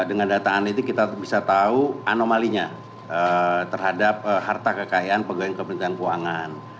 dan dengan data analitik kita bisa tahu anomalinya terhadap harta kekayaan pegawai kepentingan keuangan